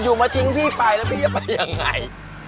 มาทิ้งพี่ไปแล้วพี่จะไปยังไง